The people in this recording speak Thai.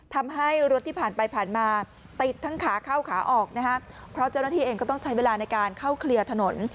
ทำให้รถที่ผ่านไปผ่านมาติดทั้งขาเข้าขาออกนะฮะเพราะเจ้าหน้าที่เองก็ต้องใช้เวลาในการเข้าเคลียร์ถนน